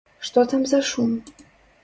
Што там за шум?